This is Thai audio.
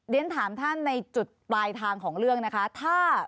เรียนถามท่านในจุดปลายทางของเรื่องนะคะ